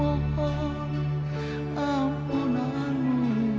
aku kelas ya